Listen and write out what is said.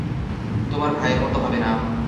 তোমার ভাইয়ের মতো হবে না।